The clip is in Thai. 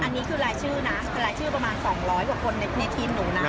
อันนี้คือรายชื่อนะเป็นรายชื่อประมาณ๒๐๐กว่าคนในทีมหนูนะ